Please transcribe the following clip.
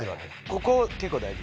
ここ結構大事。